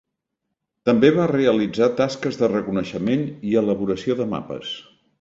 També va realitzar tasques de reconeixement i elaboració de mapes.